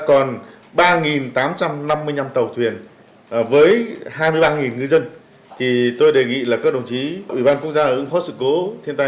tổng cục thủy sản đề nghị các đồng chí có ngay phương án